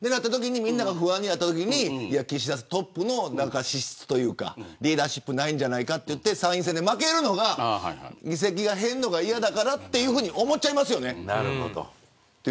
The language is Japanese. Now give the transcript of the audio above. みんなが不安になったときにトップの資質というかリーダシップないんじゃないかと参院選で負けるのが議席が減るのが嫌だからと思っちゃいますよね。